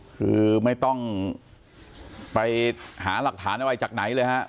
คือไม่ต้องไปหาหลักฐานอะไรจากไหนเลยฮะ